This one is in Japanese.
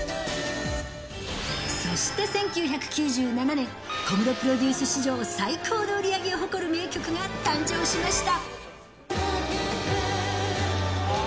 そして１９９７年、小室プロデュース史上最高の売り上げを誇る名曲が誕生しました。